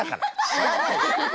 知らないでしょ？